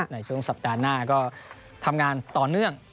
ในช่วงสัปดาห์หน้าก็ทำงานต่อเนื่อง